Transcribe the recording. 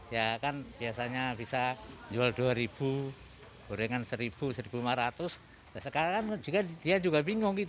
ya kan biasanya bisa jual dua ribu gorengan seribu satu lima ratus sekarang kan dia juga bingung